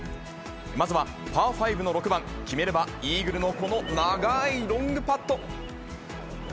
まずはパー５の６番、決めればイーグルのこの長いロングパット。